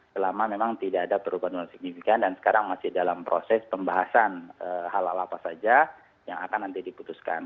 selama memang tidak ada perubahan yang signifikan dan sekarang masih dalam proses pembahasan hal hal apa saja yang akan nanti diputuskan